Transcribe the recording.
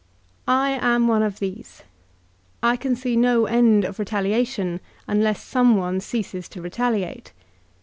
I am one of these. I can see no end of retali ations unless someone ceases to retaliate.